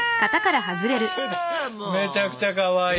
めちゃくちゃかわいい。